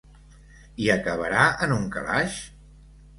I acabarà en un calaix?